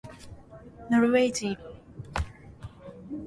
ノルウェー人